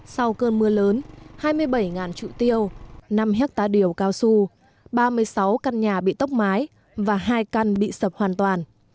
sau cơn mưa lớn hai mươi bảy trụ tiêu năm hectare điều cao su ba mươi sáu căn nhà bị tốc mái và hai căn bị sập hoàn toàn